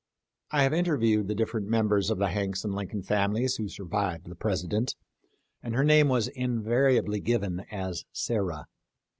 I have interviewed the different members of the Hanks and Lincoln families who survived the President, and her name was invariably given as Sarah.